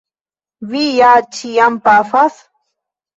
Vi ja ĉiam pafas?